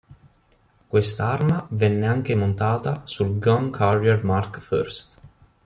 Questa arma venne anche montata sul "Gun Carrier Mark I".